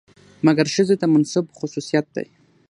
مکر ښځې ته منسوب خصوصيت دى.